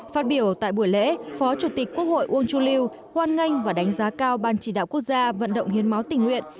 phát biểu tại buổi lễ phó chủ tịch quốc hội uông chu lưu hoan nganh và đánh giá cao ban chỉ đạo quốc gia vận động hiến máu tình nguyện